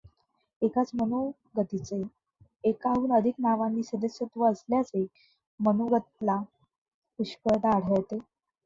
एकाच मनोगतीचे एकाहून अधिक नावांनी सदस्यत्व असल्याचे मनोगतला पुष्कळदा आढळते.